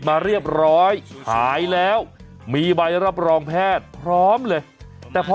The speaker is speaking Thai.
มาเรียบร้อยหายแล้วมีใบรับรองแพทย์พร้อมเลยแต่พอ